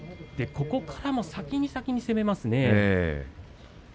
ここからも先に先に攻めますね。